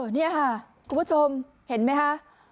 นี่ค่ะคุณผู้ชมเห็นไหมคะ